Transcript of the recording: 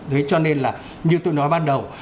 thế cho nên là như tôi nói ban đầu